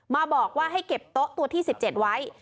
มาบอกว่าให้เก็บโต๊ะตัวที่๑๗ไว้